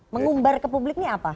mengumbar ke publik ini apa